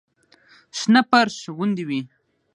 شنه فرش غوندې وي.